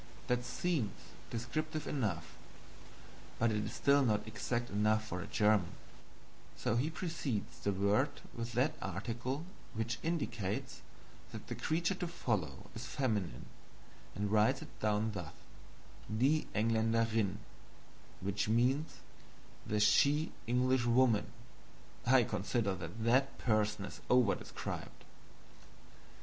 That seems descriptive enough, but still it is not exact enough for a German; so he precedes the word with that article which indicates that the creature to follow is feminine, and writes it down thus: "die Engländerinn," which means "the she Englishwoman." I consider that that person is over described.